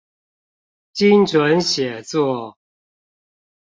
精準寫作